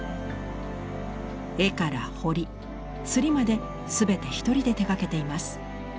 絵から彫り刷りまで全て一人で手がけています。